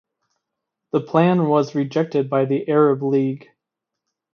The plan was rejected by the Arab League.